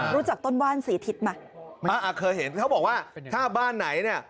รู้จักต้นว่านสีทิศไหมอ่าเคยเห็นเขาบอกว่าถ้าบ้านไหนเนี่ย